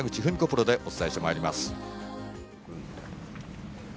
プロでお伝えしてまいります。